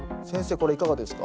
これいかがですか？